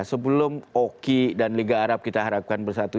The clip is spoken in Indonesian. sebelum oki dan liga arab kita harapkan bersatu